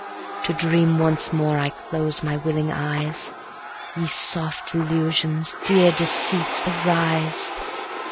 To dream once more I close my willing eyes; Ye soft illusions, dear deceits, arise!